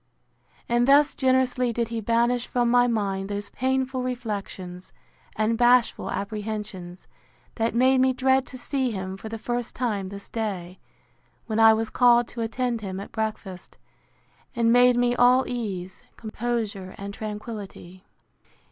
And thus generously did he banish from my mind those painful reflections, and bashful apprehensions, that made me dread to see him for the first time this day, when I was called to attend him at breakfast; and made me all ease, composure, and tranquillity.